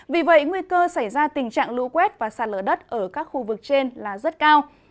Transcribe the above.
vì vậy nguy cơ xảy ra tình trạng lũ quét và sạt lở đất ở các khu vực trên là rất cao